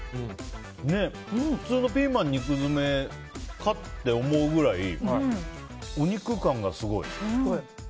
普通のピーマンの肉詰めかって思うぐらいお肉感がすごい。